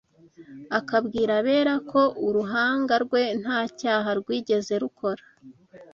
akabwira abera ko uruhanga rwe nta cyaha rwigeze rukora